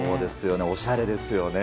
おしゃれですよね。